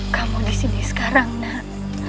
kamu disini sekarang nak